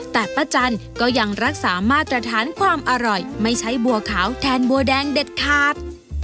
แต่ป้าจันก็ยังรักษามาตรฐานความอร่อยไม่ใช้บัวขาวแทนบัวแดงเด็ดขาด